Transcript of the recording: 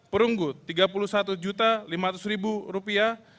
perunggu tiga puluh satu lima ratus rupiah